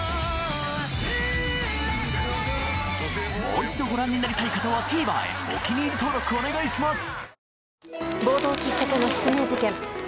もう一度ご覧になりたい方はＴＶｅｒへお気に入り登録お願いします！